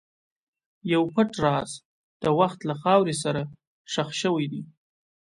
یو پټ راز د وخت له خاورې سره ښخ شوی دی.